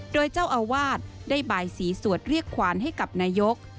โดยเจ้าอาวาสได้บายสีสวดเรียกขวานให้กับนายก